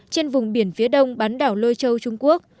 trên vùng biển phía đông bán đảo lôi châu trung quốc